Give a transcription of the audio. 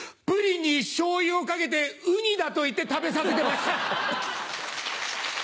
プリンにしょうゆをかけてウニだと言って食べさせてました。